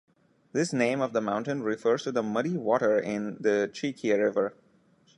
This name of the mountain refers to the muddy water in the Cheekye River.